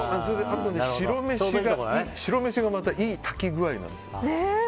あと、白飯がまたいい炊き具合なんですよ。